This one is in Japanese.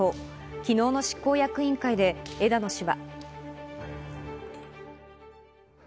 昨日の執行役員会で枝野氏は。